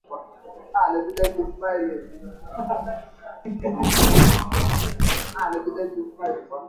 kuchoma moto malori sita katika shambulizi hilo kwa